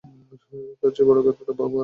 তার চেয়েও বড় কথা, বাবা মারা গেছেন।